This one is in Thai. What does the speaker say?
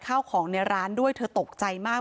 พนักงานในร้าน